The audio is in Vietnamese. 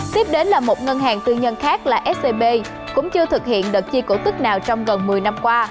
tiếp đến là một ngân hàng tư nhân khác là scb cũng chưa thực hiện đợt chi cổ tức nào trong gần một mươi năm qua